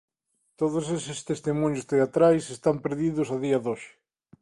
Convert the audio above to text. Todos estes testemuños teatrais están perdidos a día de hoxe.